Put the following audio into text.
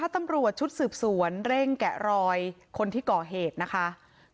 ตั้งคือพี่ของคนที่ทะเลาะด้วย